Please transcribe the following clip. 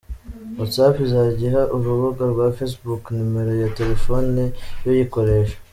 WhatsApp izajya iha urubuga rwa Facebook numero ya telefoni y’uyikoresha.